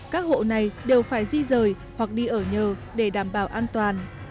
các hộ này đều phải di rời hoặc đi ở nhờ để đảm bảo an toàn